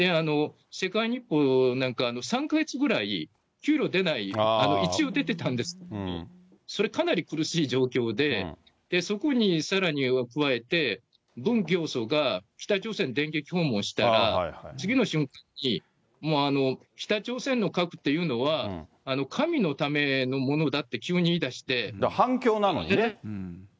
世界日報なんか、３か月ぐらい給料出ない、一応出てたんですけど、それ、かなり苦しい状況で、そこにさらに加えて、文教祖が北朝鮮、電撃訪問したら、次の週に、北朝鮮の核っていうのは、神のためのものだって急に言いだして。